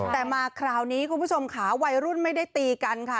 แต่มาคราวนี้วัยรุ่นไม่ได้ตีกันค่ะ